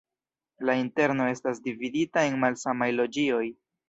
La interno estas dividita en malsamaj loĝioj.